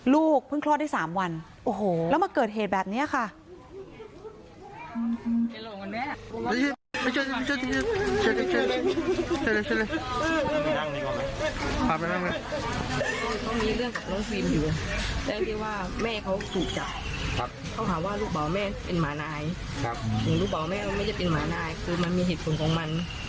ลูกเพิ่งคลอดได้๓วันโอ้โหแล้วมาเกิดเหตุแบบนี้ค่ะ